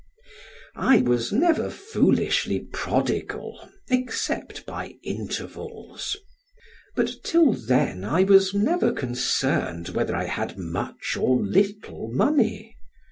I was never foolishly prodigal, except by intervals; but till then I was never concerned whether I had much or little money.